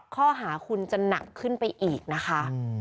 ข้อหาคุณจะหนักขึ้นไปอีกนะคะ